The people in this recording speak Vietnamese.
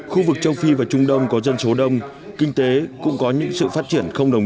khu vực châu phi và trung đông có dân số đông kinh tế cũng có những sự phát triển không đồng